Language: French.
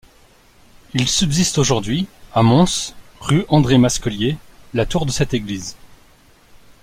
Il subsiste aujourd'hui, à Mons, rue André Masquelier, la tour de cette église.